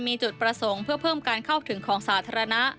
มีจุดประสงค์เพื่อเพิ่มการเข้าถึงของสาธารณะ